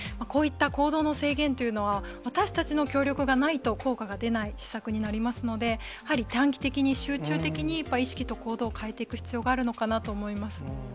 こういった行動の制限というのは、私たちの協力がないと、効果が出ない施策になりますので、やはり短期的に、集中的に意識と行動を変えていく必要があるのかなと思います。